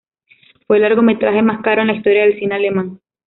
Fue el largometraje más caro en la historia del cine alemán.